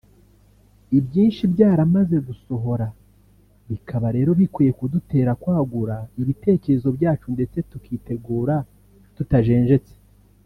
ibyinshi byaramaze gusohora bikaba rero bikwiye kudutera kwagura ibitekerezo byacu ndetse tukitegura tutajenjetse